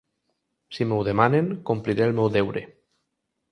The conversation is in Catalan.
Si m’ho demanen, compliré el meu deure.